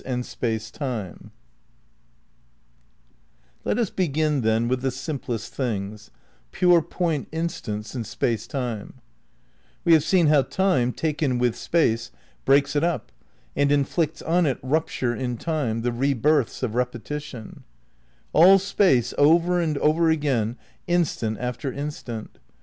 ii Let us begin, then, with the simplest things, pure Con point instants in Space Time, s^us T^g jjg^^g gggjj j^Q^ Time, taken with Space, breaks and it up, and inflicts on it rupture in Time, the re births ^^^ of repetition. All Space, over and over again, instant after instant.